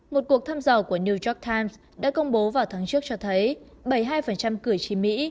một cuộc thăm dò của new york times đã công bố vào tháng trước cho thấy bảy mươi hai cử tri mỹ